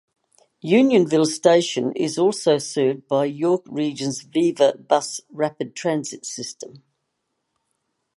Unionville Station is also served by York Region's Viva bus rapid transit system.